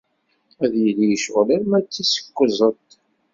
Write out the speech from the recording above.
Ad yili yecɣel arma d tis kuẓet.